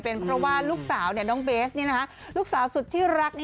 เพราะว่าลูกสาวน้องเบซสุดที่รัก